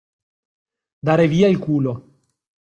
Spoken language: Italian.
Dare via il culo.